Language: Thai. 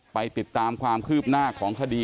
ไปติดตามความคืบหน้าของคดี